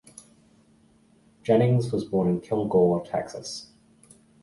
Jennings was born in Kilgore, Texas.